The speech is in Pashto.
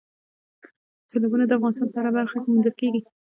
سیلابونه د افغانستان په هره برخه کې موندل کېږي.